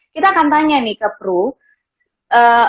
kita akan tanya nih ke pru